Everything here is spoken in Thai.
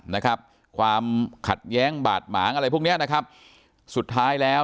นะครับความขัดแย้งบาดหมางอะไรพวกเนี้ยนะครับสุดท้ายแล้ว